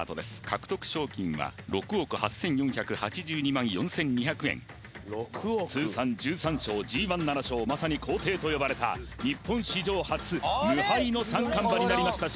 獲得賞金は６億８４８２４２００円通算１３勝Ｇ１７勝まさに皇帝と呼ばれた日本史上初無敗の三冠馬になりました